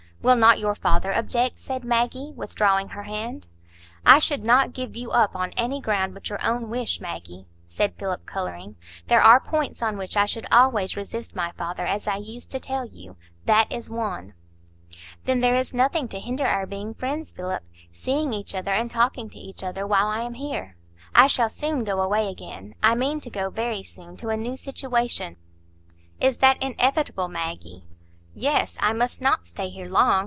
"Will not your father object?" said Maggie, withdrawing her hand. "I should not give you up on any ground but your own wish, Maggie," said Philip, colouring. "There are points on which I should always resist my father, as I used to tell you. That is one." "Then there is nothing to hinder our being friends, Philip,—seeing each other and talking to each other while I am here; I shall soon go away again. I mean to go very soon, to a new situation." "Is that inevitable, Maggie?" "Yes; I must not stay here long.